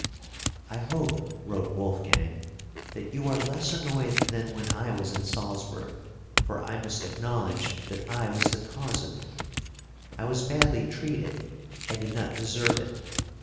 "I hope" wrote Wolfgang, "that you are less annoyed than when I was in Salzburg, for I must acknowledge that I was the cause of it. I was badly treated; I did not deserve it.